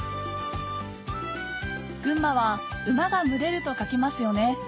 群馬は「馬が群れる」と書きますよね